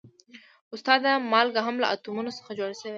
استاده مالګه هم له اتومونو څخه جوړه شوې ده